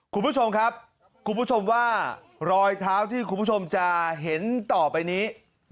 คุณผู้ชมว่ารอยเท้าที่คุณผู้ชมจะเห็นต่อไปนี้